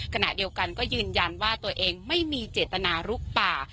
ขณะเดียวกันก็ยืนยันว่าตัวเองไม่มีเจตนาลุกป่า